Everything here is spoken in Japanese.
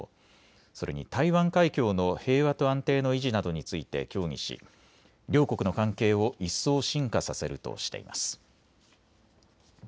それに台湾海峡の平和と安定の維持などについて協議し両国の関係を一層、深化させるとしています。